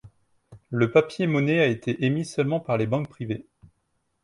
Le papier monnaie a été émis seulement par les banques privées.